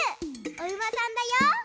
おうまさんだよ！